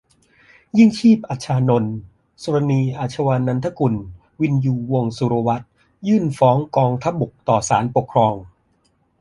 ยิ่งชีพ อัชฌานนท์ สฤณี อาชวานันทกุล วิญญู วงศ์สุรวัฒน์ ยื่นฟ้องกองทัพบกต่อศาลปกครอง